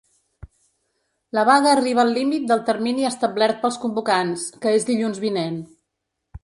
La vaga arriba al límit del termini establert pels convocants, que és dilluns vinent.